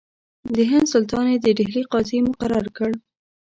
د هند سلطان یې د ډهلي قاضي مقرر کړ.